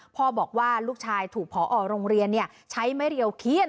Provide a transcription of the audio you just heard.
พ่อบอกว่าลูกชายถูกพอโรงเรียนใช้ไม่เรียวเขี้ยน